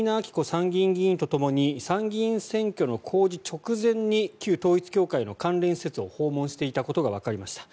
参議院議員とともに参議院選挙の公示直前に旧統一教会の関連施設を訪問していたことがわかりました。